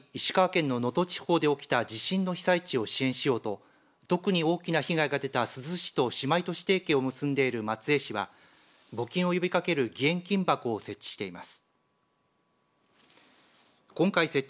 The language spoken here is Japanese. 今月５日に石川県の能登地方で起きた地震の被災地を支援しようと特に大きな被害が出た珠洲市と姉妹都市提携を結んでいる松江市は募金を呼びかける義援金箱を設置しています。